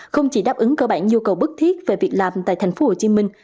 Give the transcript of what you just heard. không chỉ đáp ứng cơ bản nhu cầu bức thiết về việc làm tại thành phố hồ chí minh